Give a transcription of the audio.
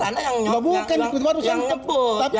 anda yang nyebut yang nyalah